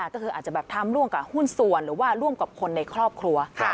ก็คืออาจจะแบบทำร่วมกับหุ้นส่วนหรือว่าร่วมกับคนในครอบครัว